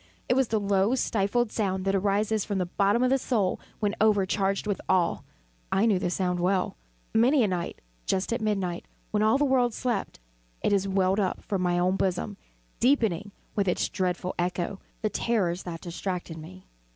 it was the low stifled sound that arises from the bottom of the soul when overcharged with awe. I knew the sound well. Many a night, just at midnight, when all the world slept, it has welled up from my own bosom, deepening, with its dreadful echo, the terrors that distracted me.